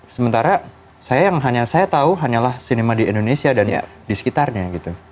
sementara saya yang hanya saya tahu hanyalah cinema di indonesia dan di sekitarnya gitu